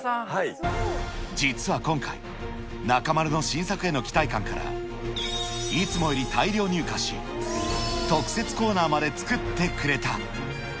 実は今回、中丸の新作への期待感から、いつもより大量入荷し、特設コーナーまで作ってくれた。